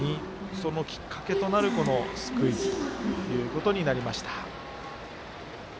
そのきっかけとなるスクイズということになりました。